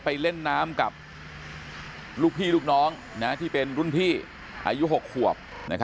ไปเล่นน้ำกับลูกพี่ลูกน้องที่เป็นรุ่นพี่อายุ๖ขวบ